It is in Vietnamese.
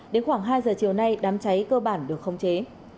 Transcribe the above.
đến khoảng hai giờ chiều nay đám cháy cơ bản được khống chế